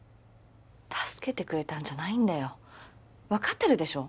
助けてくれたんじゃないんだよ分かってるでしょ